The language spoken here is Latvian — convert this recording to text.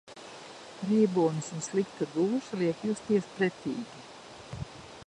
Reibonis un slikta dūša liek justies pretīgi.